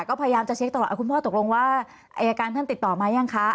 ก็พยายามจะเช็คตลอดคุณพ่อตกลงว่าอายการท่านติดต่อมายังคะ